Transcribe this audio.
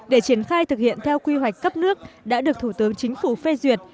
để triển khai thực hiện theo quy hoạch cấp nước đã được thủ tướng chính phủ phê duyệt